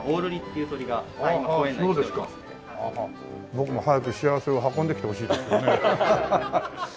僕も早く幸せを運んできてほしいですね。